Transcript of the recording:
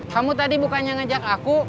kamu tadi bukannya ngajak aku